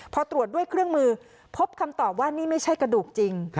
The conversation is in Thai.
พอตรวจด้วยเครื่องมือพบคำตอบว่านี่ไม่ใช่กระดูกจริง